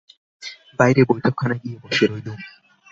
বাইরে বৈঠকখানায় গিয়ে বসে রইলুম।